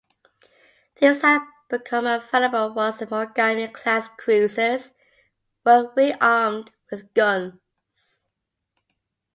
These had become available once the "Mogami"-class cruisers were rearmed with guns.